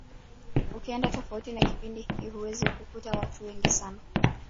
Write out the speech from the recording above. Ukienda tofauti na kipindi hiki huwezi kukuta watu wengi sana